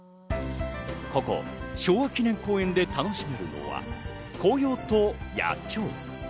ここ昭和記念公園で楽しめるのは紅葉と野鳥。